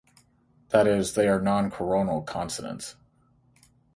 That is, they are the non-coronal consonants.